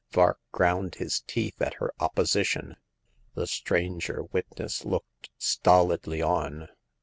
Vark ground his teeth at her opposition. The stranger witness looked stolidly on.